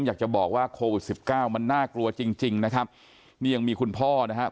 อยากจะบอกว่าโควิดสิบเก้ามันน่ากลัวจริงจริงนะครับนี่ยังมีคุณพ่อนะครับ